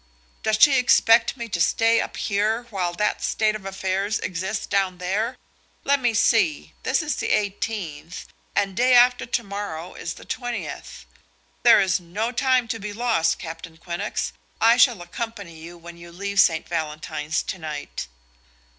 Does she expect me to stay up here while that state of affairs exists down there? Let me see: this is the eighteenth, and day after to morrow is the twentieth. There is no time to be lost, Captain Quinnox. I shall accompany you when you leave St. Valentine's to night."